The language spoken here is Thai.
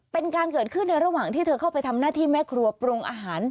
เป็นการเกิดขึ้นในระหว่างที่เธอเข้าไปทำหน้าที่แม่ครัวปรุงอาหาร